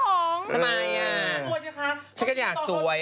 ทำไมอ่ะชิคกี้พายสวยจริงค่ะชิคกี้พายสวย